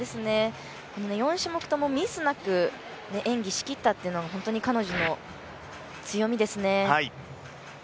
４種目ともミスなく演技しきったっていうのが、本当に彼女の強みですね。